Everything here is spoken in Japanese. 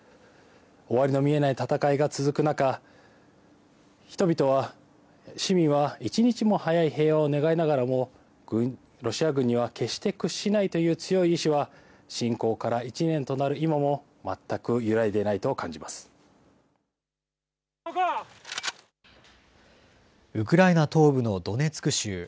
終わりの見えない戦いが続く中、市民は一日も早い平和を願いながらも、ロシア軍には決して屈しないという強い意志は、侵攻から１年となる今も、ウクライナ東部のドネツク州。